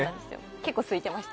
結構すいてました。